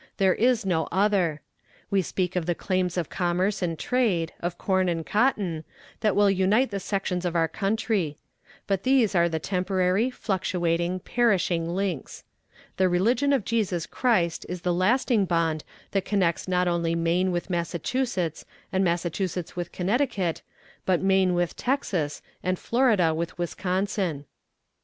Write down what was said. There is no other. We speak of the claims of commerce and trade, of corn and cotton, that will unite the sections of our country; but these are temporary, fluctuating, perishing links. The religion of Jesus Christ is the lasting bond that connects not only Maine with Massachusetts and Massachusetts with Connecticut, but Maine with Texas and Florida with Wisconsin.